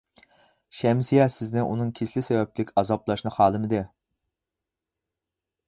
شەمسىيە سىزنى ئۇنىڭ كېسىلى سەۋەبلىك ئازابلاشنى خالىمىدى.